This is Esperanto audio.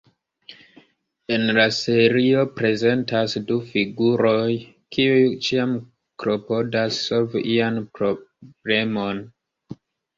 En la serio prezentas du figuroj, kiuj ĉiam klopodas solvi ian problemon.